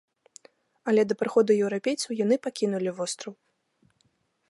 Але да прыходу еўрапейцаў яны пакінулі востраў.